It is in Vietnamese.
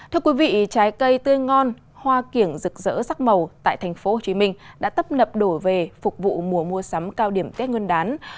trái cây tươi ngon hoa kiểng rực rỡ sắc màu tại tp hcm đã tấp lập đổ về phục vụ mùa mua sắm cao điểm tết nguyên đán